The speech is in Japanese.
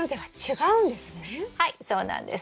はいそうなんです。